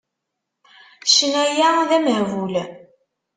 Ccna-ya d amehbul.